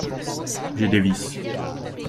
J’ai des vices…